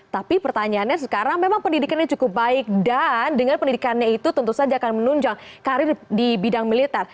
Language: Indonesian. tapi pertanyaannya sekarang memang pendidikannya cukup baik dan dengan pendidikannya itu tentu saja akan menunjang karir di bidang militer